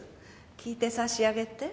聞いてさしあげて。